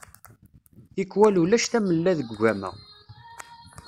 Tikwal ulac tamella deg ugama.